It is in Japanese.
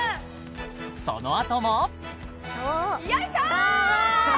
そのあともよいしょ！